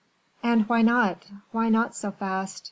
"And why not? why not so fast?